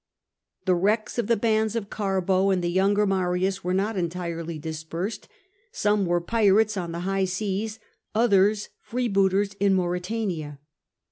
The wrecks of the bands of Oarbo and the younger Marius were not entirely dispersed: some were pirates on the high seas, others freebooters in Mauretania.